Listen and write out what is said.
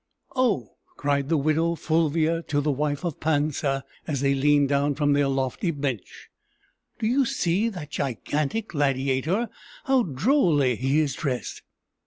"Oh!" cried the widow Fulvia to the wife of Pansa, as they leaned down from their lofty bench, "do you see that gigantic gladiator? how drolly he is dressed!"